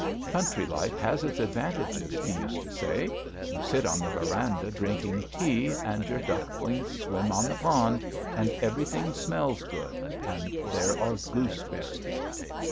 "'Country life has its advantages,' he used to say. 'You sit on the veranda drinking tea and your ducklings swim on the pond, and everything smells good ... and there are gooseberries.'